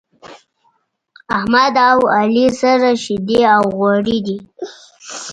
احمد او علي سره شيدې او غوړي دی.